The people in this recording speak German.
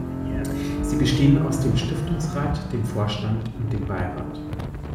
Sie bestehen aus dem Stiftungsrat, dem Vorstand und dem Beirat.